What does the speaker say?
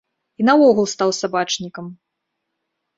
І наогул стаў сабачнікам.